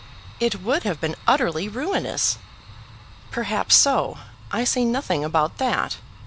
"It would have been utterly ruinous." "Perhaps so; I say nothing about that.